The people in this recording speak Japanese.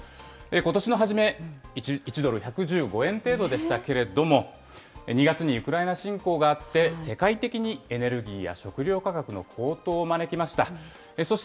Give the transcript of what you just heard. ことしの初め、１ドル１１５円程度でしたけれども、２月にウクライナ侵攻があって、世界的にエネルギーや食料価格の高騰を招きました。